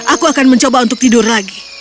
aku akan mencoba untuk tidur lagi